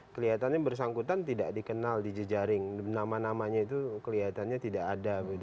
kelihatannya bersangkutan tidak dikenal di jejaring nama namanya itu kelihatannya tidak ada